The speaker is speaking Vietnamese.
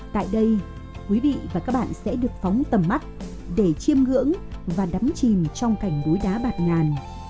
tại đây quý vị và các bạn sẽ được phóng tầm mắt để chiêm ngưỡng và đắm chìm trong cảnh núi đá bạc ngàn